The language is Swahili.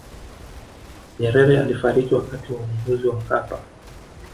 nyerere alifariki wakati wa uongozi wa mkapa